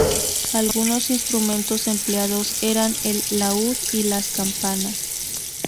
Algunos instrumentos empleados eran el laúd y las campanas.